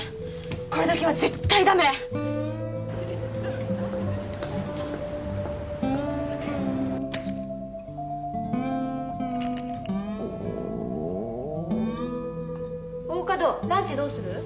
これだけは絶対ダメ大加戸ランチどうする？